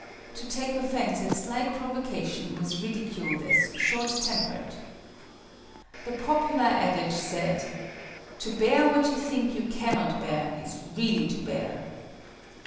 To take offense at slight provocation was ridiculed as "short tempered." The popular adage said: "To bear what you think you cannot bear is really to bear."